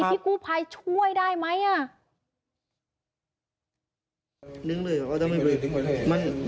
พี่กูพายช่วยได้ไหม